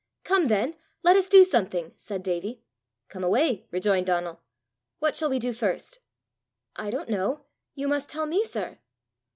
"Come then, let us do something!" said Davie. "Come away," rejoined Donal. "What shall we do first?" "I don't know: you must tell me, sir."